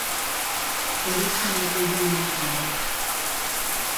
Polit com el cul d'un home pobre.